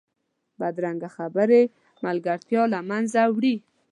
بدرنګه خبرې ملګرتیا له منځه وړي